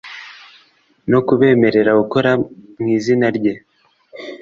no kubemerera gukora mu izina rye.